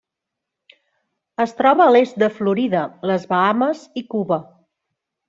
Es troba a l'est de Florida, les Bahames i Cuba.